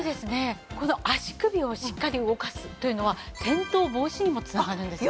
この足首をしっかり動かすというのは転倒防止にも繋がるんですよね。